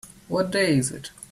What day is it?